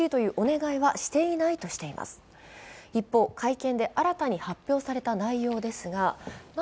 一方、会見で新たに発表された内容です。